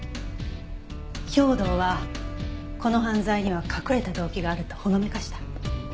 兵働はこの犯罪には隠れた動機があるとほのめかした。